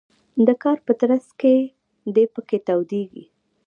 د کار په ترڅ کې د پکې تودیږي.